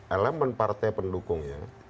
elemen partai pendukungnya